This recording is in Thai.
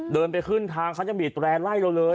เดินไปขึ้นทางเขายังบีดแรร์ไล่เราเลย